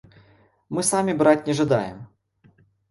Мы самі браць не жадаем.